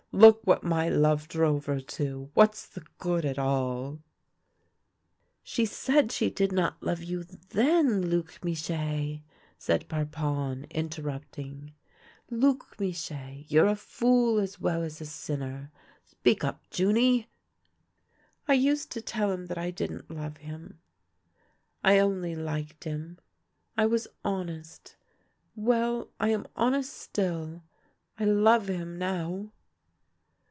Look what my love drove her to! What's the good, at all !"" She said she did not love you then, Luc Michee," said Parpon, interrupting. " Luc Michee, you're a fool as well as a sinner. Speak up, Junie." " I used to tell him that I didn't love him ; I only 124 THE LANE THAT HAD NO TURNING liked him. I was honest. Well, I am honest still. I love him now.''